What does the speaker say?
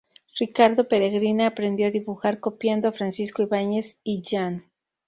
Ricardo Peregrina aprendió a dibujar copiando a Francisco Ibáñez y Jan.